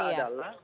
yang kedua adalah